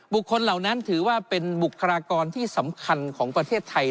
เหล่านั้นถือว่าเป็นบุคลากรที่สำคัญของประเทศไทย